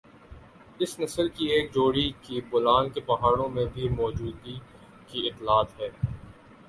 اس نسل کی ایک جوڑی کی بولان کے پہاڑیوں میں بھی موجودگی کی اطلاعات ہے